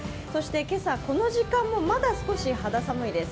今朝、この時間もまだ少し肌寒いです。